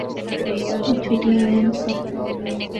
او چھٹیا آیا ناں سا